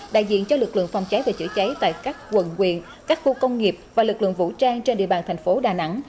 đại diện cho lực lượng phòng cháy và chữa cháy tại các quận quyện các khu công nghiệp và lực lượng vũ trang trên địa bàn thành phố đà nẵng